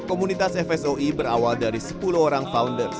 komunitas fsoi berawal dari sepuluh orang founders